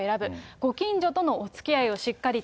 ご近所とのおつきあいをしっかりとと。